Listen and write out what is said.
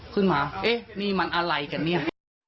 ขึ้นมานี่มันอะไรกันเนี่ย